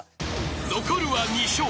［残るは２笑。